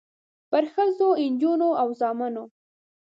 پرښخو، نجونو او زامنو